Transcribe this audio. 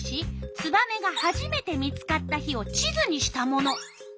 ツバメがはじめて見つかった日を地図にしたもの。